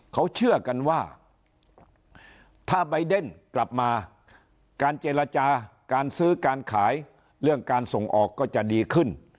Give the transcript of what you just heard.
เขาเชื่อกันว่าถ้าใบเดนกลับมาการเจรจาการซื้อการขายเรื่องการส่งออกก็จะดีขึ้น